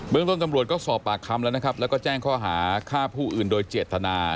เรื่องต้นตำรวจก็สอบปากคำแล้วนะครับแล้วก็แจ้งข้อหาฆ่าผู้อื่นโดยเจตนา